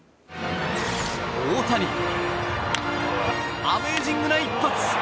大谷、アメージングな一発！